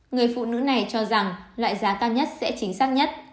người phụ nữ này cho rằng loại giá cao nhất sẽ chính xác nhất